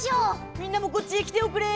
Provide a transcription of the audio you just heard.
みんなもこっちへきておくれ！